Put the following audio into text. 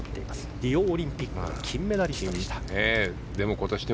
リオオリンピックの金メダリストでした。